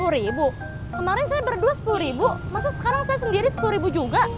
sepuluh ribu kemarin saya berdua sepuluh ribu masa sekarang saya sendiri sepuluh ribu juga